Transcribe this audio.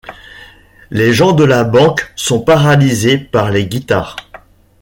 Les gens de la banque sont paralysés par les guitares.